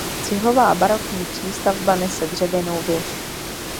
Cihlová barokní přístavba nese dřevěnou věž.